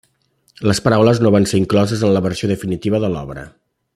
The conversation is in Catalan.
Les paraules no van ser incloses en la versió definitiva de l'obra.